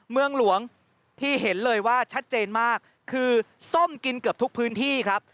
เมืองหลวงที่เห็นเลยว่าชัดเจนมากคือส้มกินเกือบทุกพื้นที่ครับ